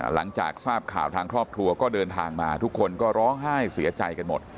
หลังจากทราบข่าวทางครอบครัวก็เดินทางมาทุกคนก็ร้องไห้เสียใจกันหมด